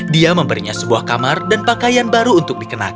dia memberinya sebuah kamar dan pakaian baru untuk dikenakan